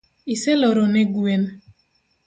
Iseloro ne gwen?